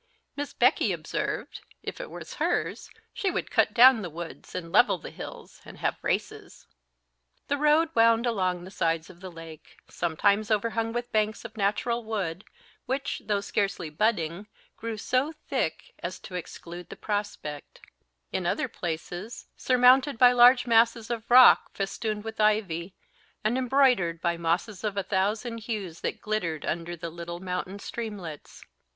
Miss Becky observed, if it was hers, she would cut down the woods, and level the hills, and have races. The road wound along the sides of the lake, sometimes overhung with banks of natural wood, which, though scarcely budding, grew so thick as to exclude the prospect; in other places surmounted by large masses of rock, festooned with ivy, and embroidered by mosses of a thousand hues that glittered under the little mountain streamlets.